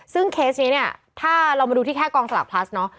ซึ่งเคสนี้เนี่ยถ้าเรามาดูที่แค่กองสลากพลัสเนาะ